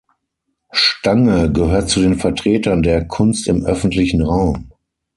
Stange gehört zu den Vertretern der „Kunst im öffentlichen Raum“.